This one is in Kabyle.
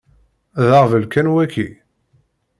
D aɣbel kan waki?